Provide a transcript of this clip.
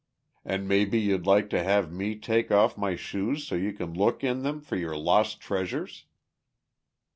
And maybe you'd like to have me take off my shoes so you can look in them for your lost treasures?"